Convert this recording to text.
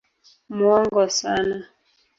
Muongo sana.